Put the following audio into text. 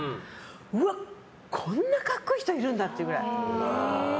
うわ、こんな格好いい人いるんだっていうぐらい。